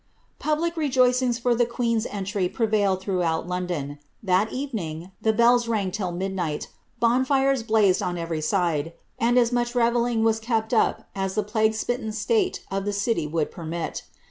Public rejoicings for the queen's entry prevailed throughout London. That evening the bells rang till midnight, bonfires blazed on every side, anJ as much revelling was kept up as the plagucHsmitten state of the city would permit.